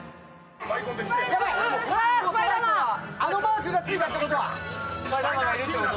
やばい、あのマークがついたってことは。